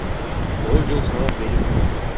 Он жыл сабак берип жүрдүм.